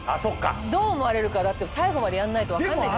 どう思われるかは最後までやんないと分かんない。